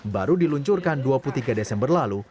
baru diluncurkan dua puluh tiga desember lalu